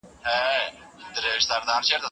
د زړه پر بام دي څومره